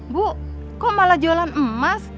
bu kok malah jualan emas